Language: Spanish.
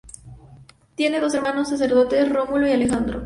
Tiene dos hermanos sacerdotes: Rómulo y Alejandro.